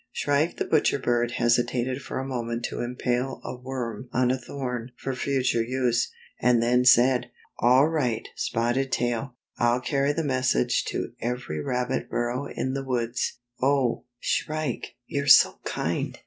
Shrike the Butcher Bird hesitated for a mo ment to impale a worm on a thorn for future use, and then said: "All right. Spotted Tail. Ill carry the mes sage to every rabbit burrow in the woods." 64 Spotted Tail Stirs up Revolt ''Oh, Shrike, you're so kind!"